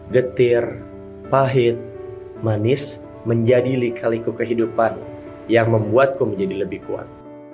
getir pahit manis menjadi lika liku kehidupan yang membuatku menjadi lebih kuat